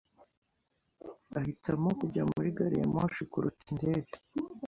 Ahitamo kujya muri gari ya moshi kuruta indege. (reyaln)